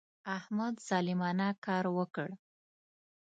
احمد ظالمانه کار وکړ.